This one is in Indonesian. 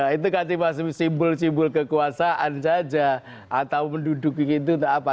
ya itu kan simbol simbol kekuasaan saja atau menduduki gitu apa